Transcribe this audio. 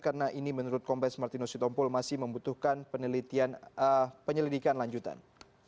karena ini menurut kombes martinus sitompul masih membutuhkan penyelidikan lanjutan